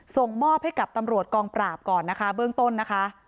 ส่งมอบให้กับตำรวจกองปราบก่อนนะคะเบื้องต้นนะคะ